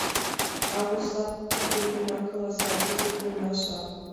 А оза тыге гына каласа: «Кызыт война жап.